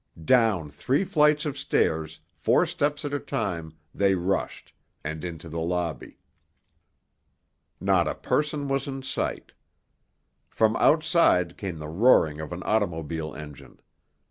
Down three flights of stairs, four steps at a time, they rushed, and into the lobby. Not a person was in sight. From outside came the roaring of an automobile engine.